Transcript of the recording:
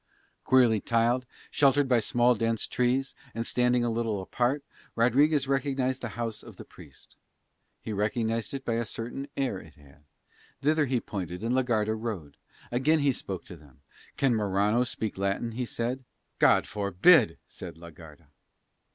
Queerly tiled, sheltered by small dense trees, and standing a little apart, Rodriguez recognised the house of the Priest. He recognised it by a certain air it had. Thither he pointed and la Garda rode. Again he spoke to them. "Can Morano speak Latin?" he said. "God forbid!" said la Garda.